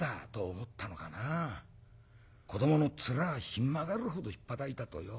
子どもの面ひん曲がるほどひっぱたいたとよ。